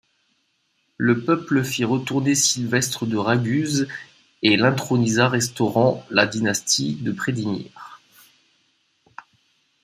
Le peuple fit retourner Sylvestre de Raguse et l'intronisa, restaurant la dynastie de Predimir.